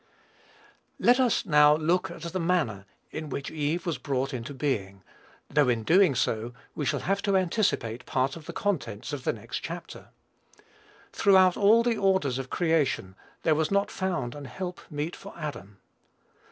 Let us, now, look at the manner in which Eve was brought into being, though, in so doing, we shall have to anticipate part of the contents of the next chapter. Throughout all the orders of creation there was not found an help meet for Adam.